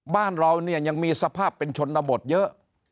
บ้านเราเนี่ยยังมีสภาพเป็นชนบทเยอะ